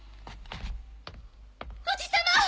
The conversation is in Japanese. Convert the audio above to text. おじさま！